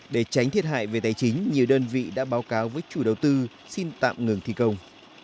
để tránh thiệt hại về tài chính nhiều đơn vị đã báo cáo với chủ đầu tư xin tạm ngừng thi công